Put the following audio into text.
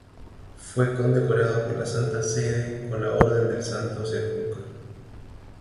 Fue condecorado por la Santa Sede con la Orden del Santo Sepulcro.